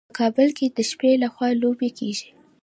په کابل کې د شپې لخوا لوبې کیږي.